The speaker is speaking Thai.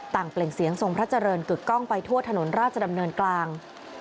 เปล่งเสียงทรงพระเจริญกึกกล้องไปทั่วถนนราชดำเนินกลาง